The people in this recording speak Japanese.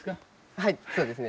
はいそうですね。